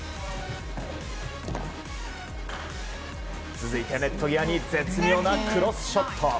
続いてネット際に絶妙なクロスショット。